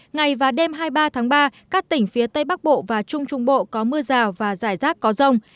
ngày và đêm hai mươi ba tháng ba các tỉnh phía tây bắc bộ và trung trung bộ có mưa rào và rải rác có rông